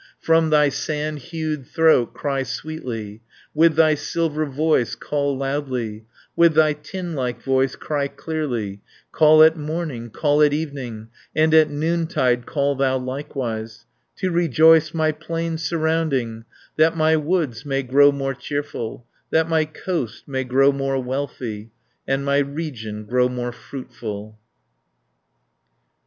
From thy sand hued throat cry sweetly, 370 With thy silver voice call loudly, With thy tin like voice cry clearly, Call at morning, call at evening, And at noontide call thou likewise, To rejoice my plains surrounding, That my woods may grow more cheerful, That my coast may grow more wealthy, And my region grow more fruitful."